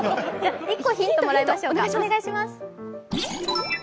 １個ヒントもらいましょうか。